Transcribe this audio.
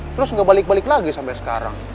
terus gak balik balik lagi sampe sekarang